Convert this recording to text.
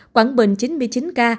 quảng bình chín mươi chín ca